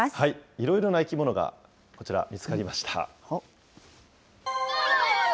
いろいろな生き物がこちら、見つかりました。